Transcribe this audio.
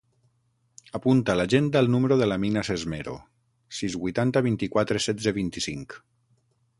Apunta a l'agenda el número de l'Amina Sesmero: sis, vuitanta, vint-i-quatre, setze, vint-i-cinc.